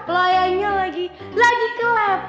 rayanya lagi lagi ke lab